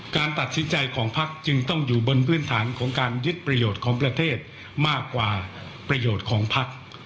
การตัดสินใจของพักจึงต้องอยู่บนพื้นฐานของการยึดประโยชน์ของประเทศมากกว่าประโยชน์ของพัก